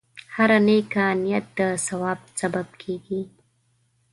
هره نیکه نیت د ثواب سبب کېږي.